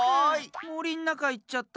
もりんなかいっちゃった。